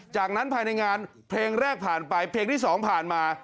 จากนั้นภายในงานเพลงแรกผ่านไปเพลงที่๒ผ่านมา